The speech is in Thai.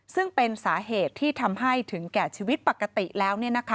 ซึ่งเป็นสาเหตุที่ทำให้ถึงแก่ชีวิตปกติแล้ว